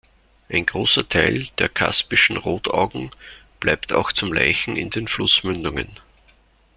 Ein großer Teil der Kaspischen Rotaugen bleibt auch zum Laichen in den Flussmündungen.